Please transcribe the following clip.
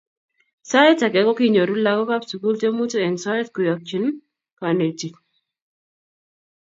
Sait ake kokinyoru lakok ab sukul tiemutik eng soet kuyakchin kanetik